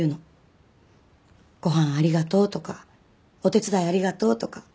「ご飯ありがとう」とか「お手伝いありがとう」とか。